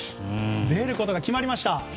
出ることが決まりました。